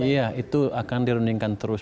iya itu akan dirundingkan terus